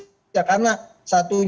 karena satu nyawa sudah dikumpulkan